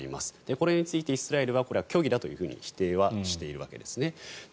これについてイスラエルはこれは虚偽だと否定はしているわけですね。